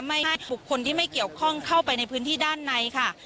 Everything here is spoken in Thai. ไม่ให้บุคคลที่ไม่เกี่ยวข้องเข้าไปในพื้นที่ด้านในค่ะ